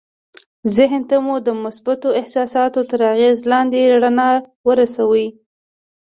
ذهن ته مو د مثبتو احساساتو تر اغېز لاندې رڼا ورسوئ